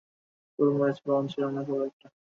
পুরো ম্যাচেই বাউন্স ছিল না খুব একটা।